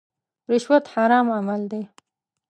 رشوت حرام عمل دی.